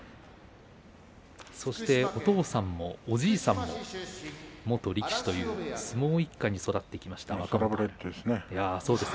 そしてお父さんも、おじいさんも元力士という相撲一家で育ってきました。